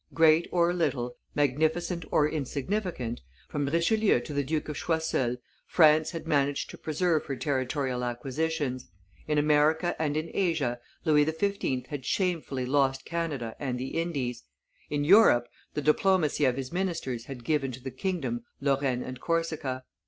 Great or little, magnificent or insignificant, from Richelieu to the Duke of Choiseul, France had managed to preserve her territorial acquisitions; in America and in Asia, Louis XV. had shamefully lost Canada and the Indies; in Europe, the diplomacy of his ministers had given to the kingdom Lorraine and Corsica.